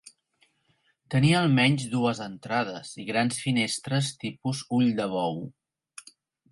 Tenia almenys dues entrades, i grans finestres tipus ull de bou.